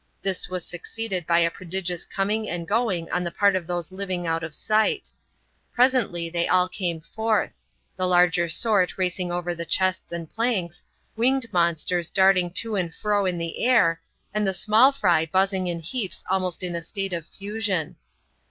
This was succeeded by a prodigious coming and going on the part of those Uving out of sight. Presently they all came forth ; the larger sort racing over the chests and planks ; winged monsters darting to and fro in the air; and the small fry buz2dng in heaps almost in a state of fusion.